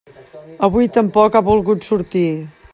Avui tampoc ha volgut sortir.